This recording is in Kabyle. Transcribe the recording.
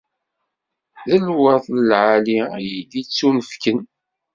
D lweṛt lɛali i iyi-d-ittunefken.